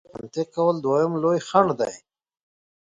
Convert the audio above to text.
ډېره تکیه په منطق کول دویم لوی خنډ دی.